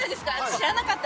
知らなかった。